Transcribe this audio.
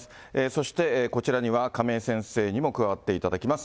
そして、こちらには亀井先生にも加わっていただきます。